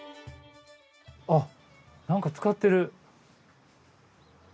あっなんか使ってる。